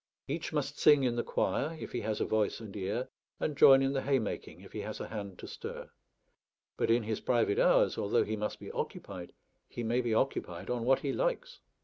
Each must sing in the choir, if he has a voice and ear, and join in the haymaking if he has a hand to stir; but in his private hours, although he must be occupied, he may be occupied on what he likes.